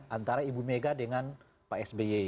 antara ibu mega dengan pak sby